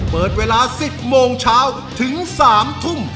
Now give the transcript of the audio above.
เปิดเวลา๑๐โมงเช้าถึง๓ทุ่ม